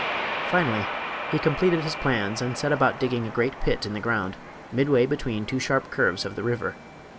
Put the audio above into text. Finally he completed his plans, and set about digging a great pit in the ground, midway between two sharp curves of the river.